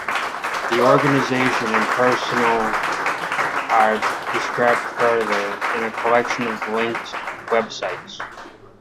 The organization and personnel are described further, in a collection of linked web sites.